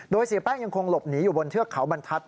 โดยเสียแป้งยังคงหลบหนีอยู่บนเทือกเขาบรรทัศน